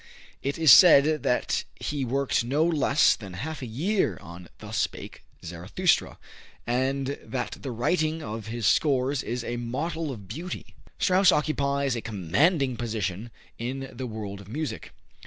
It is said that he worked no less than half a year on "Thus Spake Zarathustra," and that the writing of his scores is a model of beauty. Strauss occupies a commanding position in the world of music.